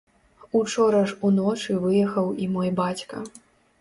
Учора ж уночы выехаў і мой бацька.